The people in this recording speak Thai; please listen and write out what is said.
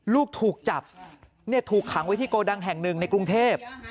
ลูกถูกจับถูกขังไว้ที่โกดังแห่งหนึ่งในกรุงเทพ